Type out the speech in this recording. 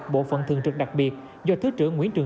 bộ phận thường trực đặc biệt do thứ trưởng nguyễn trường